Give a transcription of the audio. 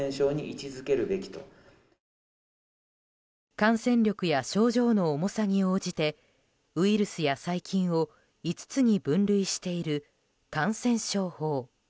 感染力や症状の重さに応じてウイルスや細菌を５つに分類している感染症法。